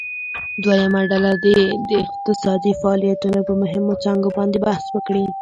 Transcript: دویمه ډله دې د اقتصادي فعالیتونو په مهمو څانګو باندې بحث وکړي.